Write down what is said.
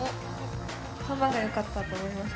３番がよかったと思いました。